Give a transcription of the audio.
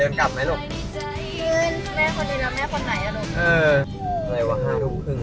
มึงชอบหาอะไรมาพูดไปเรื่อยนะ